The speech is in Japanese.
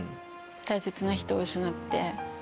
大切な人を失って。